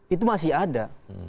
itu masih ada